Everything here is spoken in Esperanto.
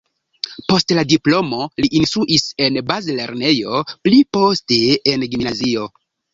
Post la diplomo li instruis en bazlernejo, pli poste en gimnazio.